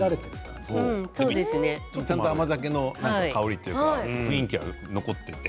ちゃんと甘酒の香りというか雰囲気は残っていて。